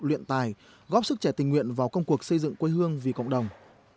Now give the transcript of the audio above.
luyện tài góp sức trẻ tình nguyện vào công cuộc xây dựng quê hương vì cộng đồng